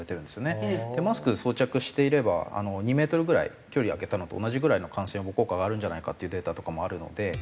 マスク装着していれば２メートルぐらい距離空けたのと同じぐらいの感染予防効果があるんじゃないかっていうデータとかもあるので。